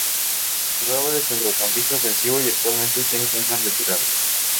Jugaba de centrocampista defensivo y actualmente se encuentra retirado.